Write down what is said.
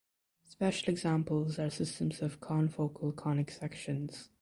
Special examples are systems of confocal conic sections.